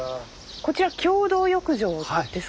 こちら共同浴場ですか？